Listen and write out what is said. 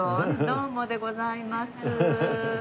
どうもでございます。